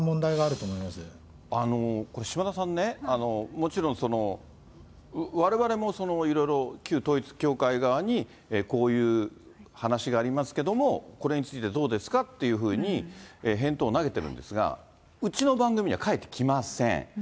これ、島田さんね、もちろんわれわれもいろいろ旧統一教会側にこういう話がありますけども、これについてどうですかっていうふうに、返答を投げてるんですが、うちの番組には返ってきません。